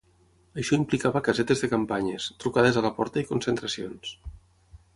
Això implicava casetes de campanyes, trucades a la porta i concentracions.